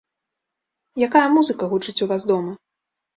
Якая музыка гучыць у вас дома?